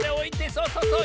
そうそうそう。